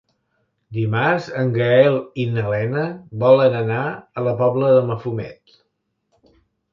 Dimarts en Gaël i na Lena volen anar a la Pobla de Mafumet.